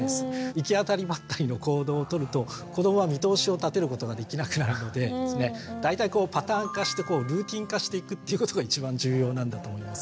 行き当たりばったりの行動を取ると子どもは見通しを立てることができなくなるのでですね大体パターン化してルーティーン化していくっていうことが一番重要なんだと思います。